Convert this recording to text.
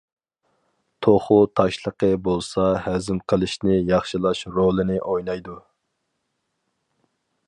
توخۇ تاشلىقى بولسا ھەزىم قىلىشنى ياخشىلاش رولىنى ئوينايدۇ.